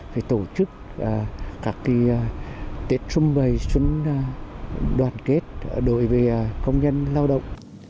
phải tổ chức các cái tết xung bày xuân đoàn kết đối với công nhân lao động